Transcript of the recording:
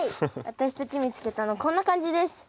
私たち見つけたのこんな感じです。